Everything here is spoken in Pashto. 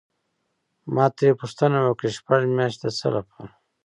ما ترې پوښتنه وکړه: شپږ میاشتې د څه لپاره؟